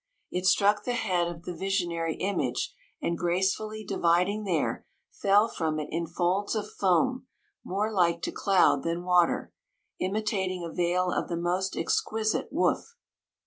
* It struck the head of the visionary image, and gracefully divid ing there, fell from it in folds of foam more like to cloud than water, imitat ing a veil of the most exquisite woof.